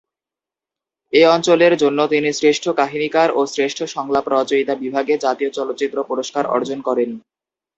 এই চলচ্চিত্রের জন্য তিনি শ্রেষ্ঠ কাহিনীকার ও শ্রেষ্ঠ সংলাপ রচয়িতা বিভাগে জাতীয় চলচ্চিত্র পুরস্কার অর্জন করেন।